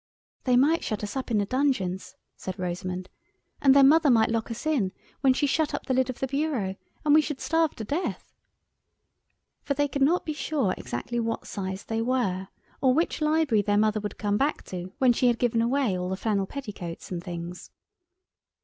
"They might shut us up in the dungeons," said Rosamund, "and then Mother might lock us in, when she shut up the lid of the bureau, and we should starve to death." For they could not be sure exactly what size they were, or which library their Mother would come back to when she had given away all the flannel petticoats and things.